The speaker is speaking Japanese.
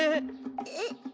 えっ？